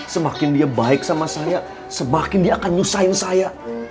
semakin dia baik sama saya semakin dia akan nyusahin saya